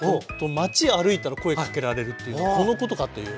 街歩いたら声かけられるっていうのはこのことかという。